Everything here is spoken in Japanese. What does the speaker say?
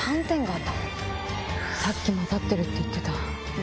さっき混ざってるって言ってた。